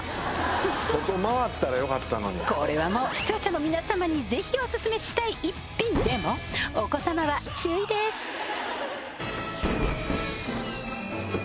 外回ったらよかったのにこれはもう視聴者の皆様にぜひオススメしたい一品でもお子様は注意ですへえ